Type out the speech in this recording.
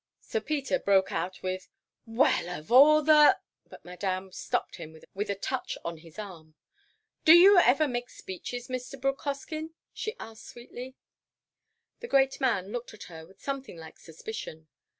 Sir Peter broke out with, "Well, of all the—!" But Madame stopped him with a touch on his arm. "Do you ever make speeches, Mr. Brooke Hoskyn?" she asked sweetly. The great man looked at her with something like suspicion.